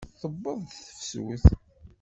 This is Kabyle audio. Tewweḍ-d tefsut.